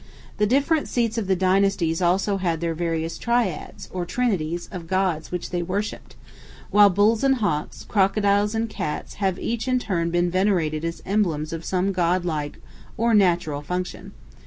The different seats of the dynasties also had their various "triads," or trinities, of gods which they worshipped, while bulls and hawks, crocodiles and cats, have each in turn been venerated as emblems of some godlike or natural function.